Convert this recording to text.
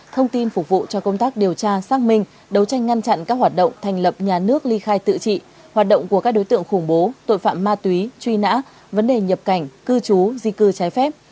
thông tin phục vụ cho công tác điều tra xác minh đấu tranh ngăn chặn các hoạt động thành lập nhà nước ly khai tự trị hoạt động của các đối tượng khủng bố tội phạm ma túy truy nã vấn đề nhập cảnh cư trú di cư trái phép